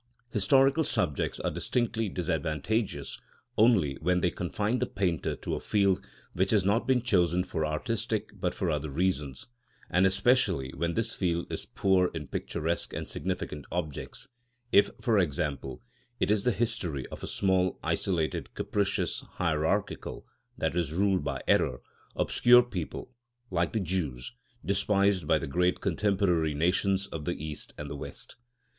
Historical subjects are distinctly disadvantageous only when they confine the painter to a field which has not been chosen for artistic but for other reasons, and especially when this field is poor in picturesque and significant objects—if, for example, it is the history of a small, isolated, capricious, hierarchical (i.e., ruled by error), obscure people, like the Jews, despised by the great contemporary nations of the East and the West.